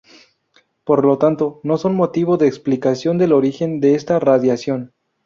Por lo tanto, no son motivo de explicación del origen de esta radiación.